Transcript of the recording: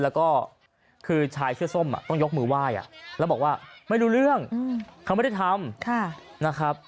แล้วก็คือชายเสื้อส้มต้องยกมือไหว้แล้วบอกว่าไม่รู้เรื่องเขาไม่ได้ทำนะครับ